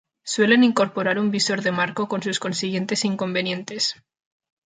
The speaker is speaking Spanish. Suelen incorporar un visor de marco con sus consiguientes inconvenientes.